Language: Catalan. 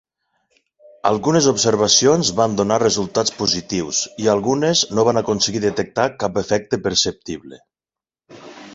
Algunes observacions van donar resultats positius i algunes no van aconseguir detectar cap efecte perceptible.